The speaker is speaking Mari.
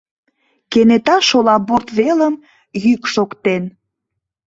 — кенета шола борт велым йӱк шоктен.